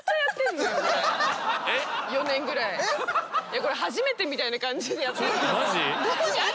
これ初めてみたいな感じでやってるけどヤダ！